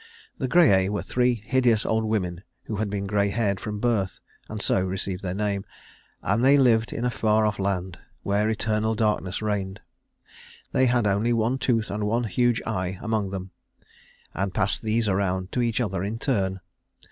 The Grææ were three hideous old women who had been gray haired from birth, and so received their name, and they lived in a far off land, where eternal darkness reigned. They had only one tooth and one huge eye among them, and passed these around to each other in turn.